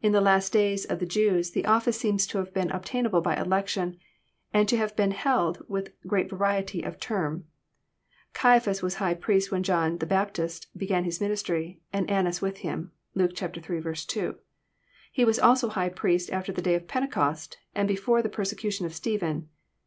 In the last days of the Jews the office seems to have been obtainable by election, and to have been held with great variety of term. Caiaphas was high priest when John the Baptist began his aninistry, and Annas with him. (Luke iii. 2.) He was also high priest after the Day of Pentecost, and be/ore the persecution of Stephen.